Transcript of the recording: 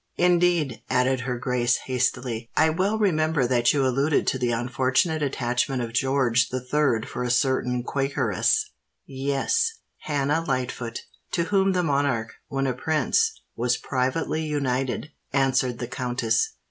"Indeed," added her grace, hastily, "I well remember that you alluded to the unfortunate attachment of George the Third for a certain Quakeress——" "Yes—Hannah Lightfoot, to whom the monarch, when a prince, was privately united," answered the countess.